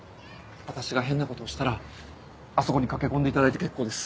私が変なことをしたらあそこに駆け込んでいただいて結構です。